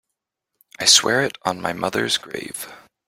I swear it on my mother's grave.